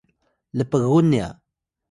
lpgun nya